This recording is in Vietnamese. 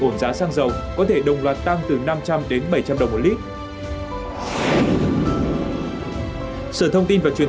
sử dụng nguồn giá xăng dầu có thể đồng loạt tăng từ năm trăm linh đến bảy trăm linh đồng một lít sở thông tin và truyền